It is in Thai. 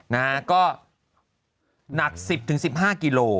นะก็หนัก๑๐ถึง๑๕กิโล